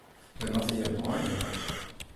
Wy moatte hjir in ein oan meitsje.